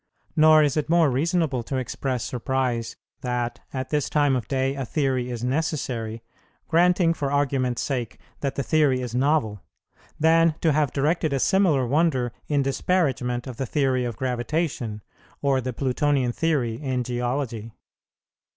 Nor is it more reasonable to express surprise, that at this time of day a theory is necessary, granting for argument's sake that the theory is novel, than to have directed a similar wonder in disparagement of the theory of gravitation, or the Plutonian theory in geology.